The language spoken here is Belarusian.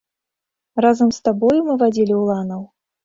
Разам з табою мы вадзілі уланаў?